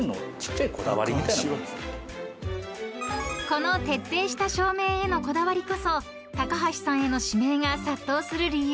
［この徹底した照明へのこだわりこそ高橋さんへの指名が殺到する理由］